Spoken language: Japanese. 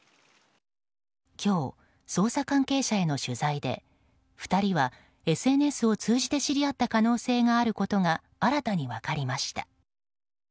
今日、捜査関係者への取材で２人はＳＮＳを通じて知り合った可能性があることが新たに分かりました。